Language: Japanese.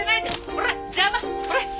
ほら！